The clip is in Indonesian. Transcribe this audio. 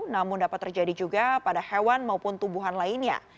namun dapat terjadi juga pada hewan maupun tubuhan lainnya